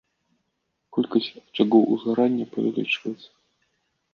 Колькасць ачагоў узгарання павялічваецца.